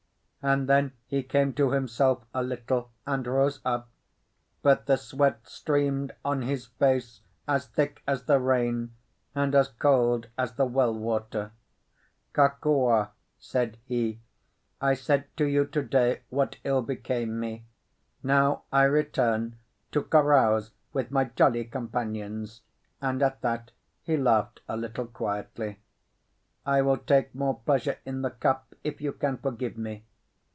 And then he came to himself a little and rose up; but the sweat streamed on his face as thick as the rain and as cold as the well water. "Kokua," said he, "I said to you to day what ill became me. Now I return to carouse with my jolly companions," and at that he laughed a little quietly. "I will take more pleasure in the cup if you forgive me."